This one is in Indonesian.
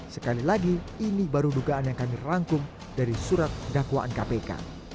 sekali lagi ini baru dugaan yang kami rangkum dari surat dakwaan kpk